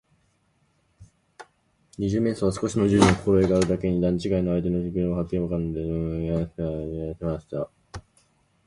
二十面相は少し柔道のこころえがあるだけに、段ちがいの相手の力量がはっきりわかるのです。いくら手むかいしてみても、とてもかなうはずはないとさとりました。